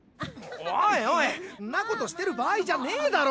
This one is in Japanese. おいおいんなことしてる場合じゃねえだろ！